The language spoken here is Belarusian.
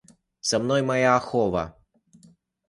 Са мной мая ахова.